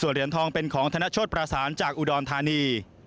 เหรียญทองเป็นของธนโชธประสานจากอุดรธานี